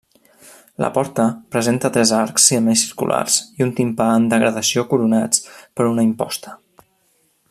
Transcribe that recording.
La porta presenta tres arcs semicirculars i un timpà en degradació coronats per una imposta.